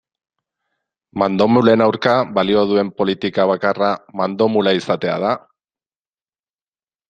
Mandomulen aurka balio duen politika bakarra mandomula izatea da?